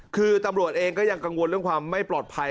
คือตำรวจเองก็ยังกังวลเรื่องความไม่ปลอดภัย